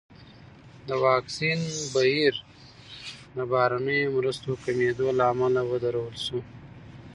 د واکسین بهیر د بهرنیو مرستو کمېدو له امله ودرول شو.